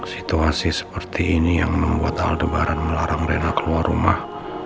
situasi seperti ini yang membuat hal debaran melarang rena keluar rumah